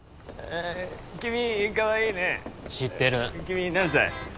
あ君かわいいね知ってる君何歳？